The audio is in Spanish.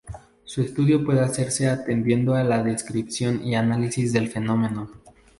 Su estudio puede hacerse atendiendo a la descripción y análisis del fenómeno.